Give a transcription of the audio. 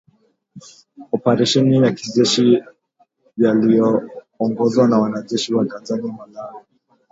oparesheni ya kijeshi yaliyoongozwa na wanajeshi wa Tanzania Malawi